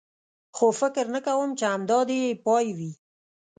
خو فکر نه کوم، چې همدا دی یې پای وي.